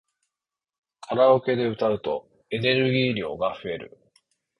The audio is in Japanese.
カラオケで歌うとエネルギー量が増える